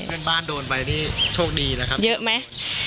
เพื่อนบ้านโดนไปที่โชคดีนะครับเยอะไหม